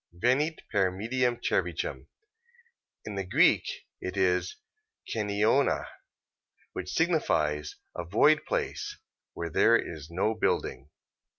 Venit per mediam cervicem. In the Greek it is keneona, which signifies a void place, where there is no building.